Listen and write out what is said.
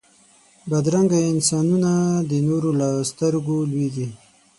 بدرنګه انسانونه د نورو له سترګو لوېږي